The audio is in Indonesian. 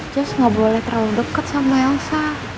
jess gak boleh terlalu deket sama elsa